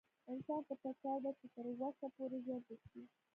انسان ته پکار ده چې تر وسه پورې ژوند وکړي